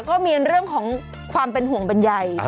ก็มีเรื่องของความเป็นห่วงบรรยาย